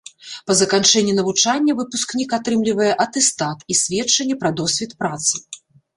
Па заканчэнні навучання выпускнік атрымлівае атэстат і сведчанне пра досвед працы.